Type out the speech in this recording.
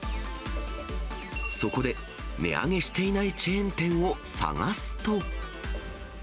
そこで、値上げしていないチェーン店を探すと。